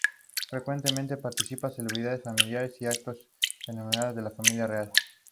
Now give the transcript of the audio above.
Instituto de Tecnología Prof.